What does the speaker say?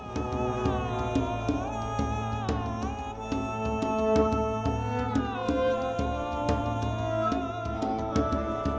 bagaimana menurut ibu kota